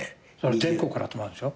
全国から集まるんでしょ？